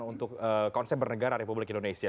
untuk konsep bernegara republik indonesia